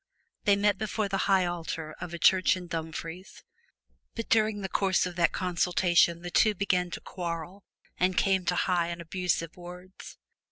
They met before the high altar of a church in Dumfries, but during the course of that consultation the two began to quarrel and came to high and abusive words.